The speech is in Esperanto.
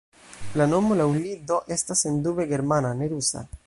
La nomo laŭ li do estas sendube germana, ne rusa.